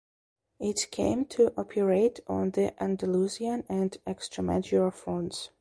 It came to operate on the Andalusian and Extremadura fronts.